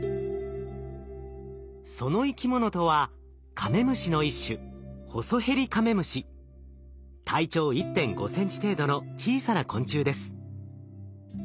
その生き物とはカメムシの一種体長１．５センチ程度の小さな昆虫です。